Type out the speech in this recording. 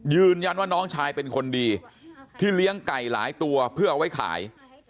ยืนยันว่าน้องชายเป็นคนดีที่เลี้ยงไก่หลายตัวเพื่อเอาไว้ขาย